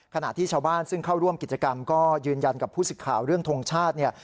ขณะที่ชาวบ้านซึ่งเข้าร่วมกิจกรรมก็ยืนยันกับผู้สิทธิ์ข่าวเรื่องทรงชาติเนี่ย